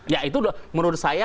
ya itu menurut saya